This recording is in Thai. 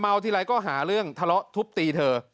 ทีไรก็หาเรื่องทะเลาะทุบตีเธอ